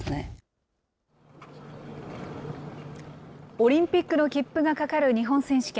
オリンピックの切符がかかる日本選手権。